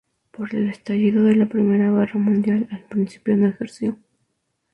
Por el estallido de la Primera Guerra Mundial al principio no ejerció.